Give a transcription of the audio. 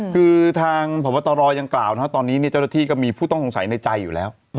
คือทางพบตรยังกล่าวนะครับตอนนี้เจ้าหน้าที่ก็มีผู้ต้องสงสัยในใจอยู่แล้ว